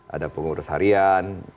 ada pengurus harian